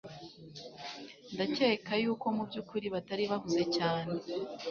Ndakeka yuko mubyukuri batari bahuze cyane